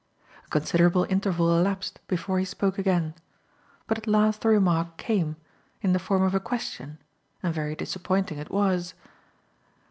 A considerable interval elapsed before he spoke again; but at last the remark came, in the form of a question, and very disappointing it was.